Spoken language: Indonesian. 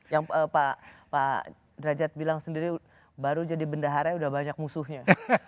yang pak derajat bilang sendiri baru jadi bendaharanya udah banyak musuhnya